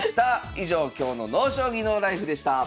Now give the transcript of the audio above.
以上今日の「ＮＯ将棋ＮＯＬＩＦＥ」でした。